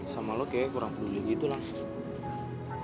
sama lo kayaknya kurang peduli gitu lah